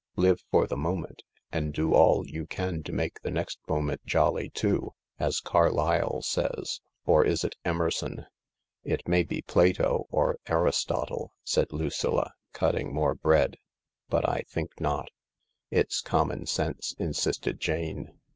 Live for the moment — and do all you can to make the next moment jolly too, as Carlyle says, or is it Emerson ?" "It may be Plato or Aristotle," said Lucilla, cutting more bread, " but I think not." "It's common sense," insisted Jane.